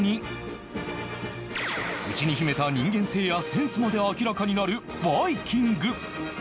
内に秘めた人間性やセンスまで明らかになるバイキング